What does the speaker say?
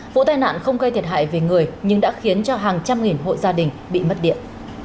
vụ tai nạn không gây thiệt hại về người nhưng đã khiến cho hàng trăm nghìn hộ gia đình bị mất điện